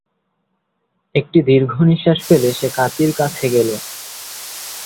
একটা দীর্ঘশ্বাস ফেলে সে কাঁচির কাছে গেলো।